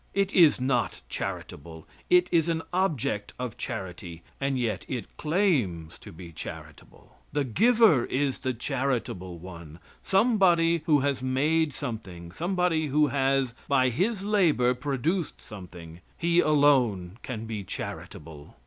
It is not charitable. It is an object of charity, and yet it claims to be charitable. The giver is the charitable one. Somebody who has made something, somebody who has by his labor produced something, he alone can be charitable.